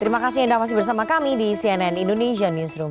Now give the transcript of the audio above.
terima kasih anda masih bersama kami di cnn indonesian newsroom